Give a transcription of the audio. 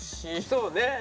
そうね。